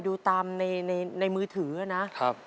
ดูตามในมือถือนะครับ